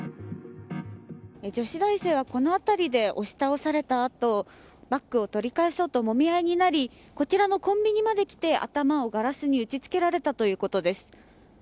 女子大生は、この辺りで押し倒されたあとバッグを取り返そうともみ合いになりこちらのコンビニまで来て頭をガラスに打ち付けられたということです。